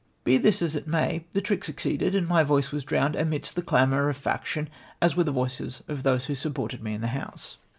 Be this as it may, the trick siic ceeded, and my voice was drowned amidst the clamour of faction, as were tlie voices of tliose who supported me in the House.